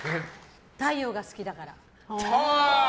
太陽が好きだから。